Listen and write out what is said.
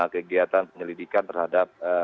kegiatan penyelidikan terhadap